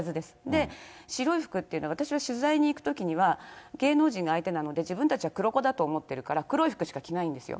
で、白い服っていうのは、私は取材に行くときには、芸能人が相手なので、自分たちは黒子だと思ってるから、黒い服しか着ないんですよ。